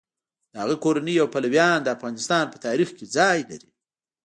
د هغه کورنۍ او پلویان د افغانستان په تاریخ کې ځای لري.